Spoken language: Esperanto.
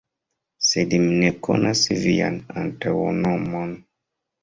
Sed mi ne konas vian antaŭnomon.